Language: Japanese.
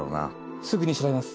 すぐに調べます。